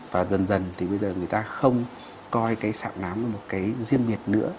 và dần dần thì bây giờ người ta không coi cái sạm nám là một cái riêng miệt nữa